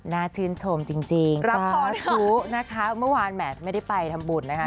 น่าชื่นชมจริงละครพุนะคะเมื่อวานแมทไม่ได้ไปทำบุญนะคะ